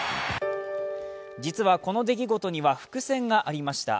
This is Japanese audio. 実は、出来事には伏線がありました。